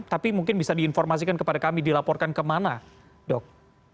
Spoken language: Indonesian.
tapi mungkin bisa diinformasikan kepada kami dilaporkan kemana dok